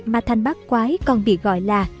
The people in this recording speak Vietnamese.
mà thành bác quái còn bị gọi là